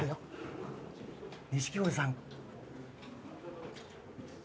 錦鯉さん。